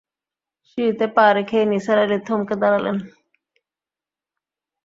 সিঁড়িতে পা রেখেই নিসার আলি থমকে দাঁড়ালেন।